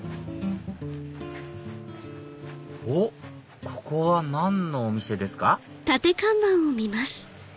おっここは何のお店ですか？